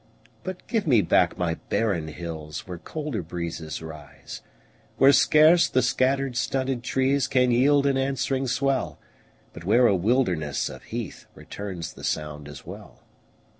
But give me back my barren hills Where colder breezes rise; Where scarce the scattered, stunted trees Can yield an answering swell, But where a wilderness of heath Returns the sound as well.